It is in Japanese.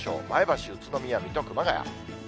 前橋、宇都宮、水戸、熊谷。